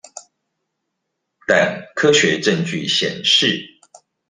但科學證據顯示